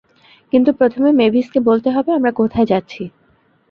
কিন্ত প্রথমে, মেভিসকে বলতে হবে আমরা কোথায় যাচ্ছি।